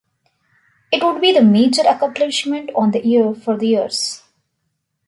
It would be the major accomplishment on the area for years.